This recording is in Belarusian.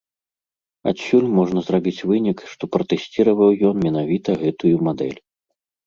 Адсюль можна зрабіць вынік, што пратэсціраваў ён менавіта гэтую мадэль.